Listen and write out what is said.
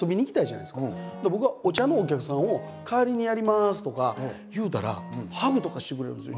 だから僕は「お茶のお客さんを代わりにやります」とか言うたらハグとかしてくれるんですよ。